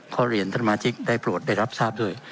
เรียนท่านมาชิกได้โปรดได้รับทราบด้วย